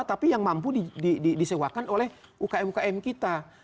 tapi yang mampu disewakan oleh ukm ukm kita